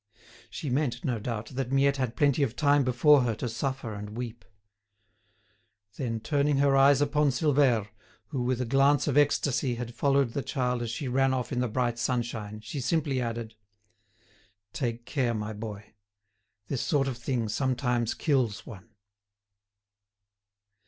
She meant, no doubt, that Miette had plenty of time before her to suffer and weep. Then, turning her eyes upon Silvère, who with a glance of ecstasy had followed the child as she ran off in the bright sunshine, she simply added: "Take care, my boy; this sort of thing sometimes kills one."